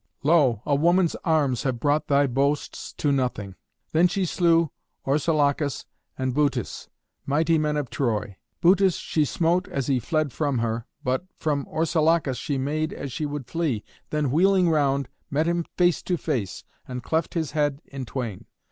Lo! a woman's arms have brought thy boasts to nothing." Then she slew Orsilochus and Butes, mighty men of Troy. Butes she smote as he fled from her, but from Orsilochus she made as she would flee; then, wheeling round, met him face to face, and cleft his head in twain.